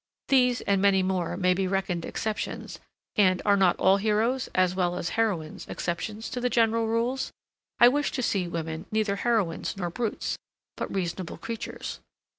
These, and many more, may be reckoned exceptions; and, are not all heroes, as well as heroines, exceptions to general rules? I wish to see women neither heroines nor brutes; but reasonable creatures.)